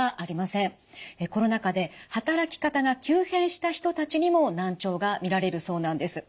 コロナ禍で働き方が急変した人たちにも難聴が見られるそうなんです。